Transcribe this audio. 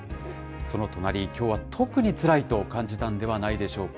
その隣、きょうは特につらいと感じたんではないでしょうか。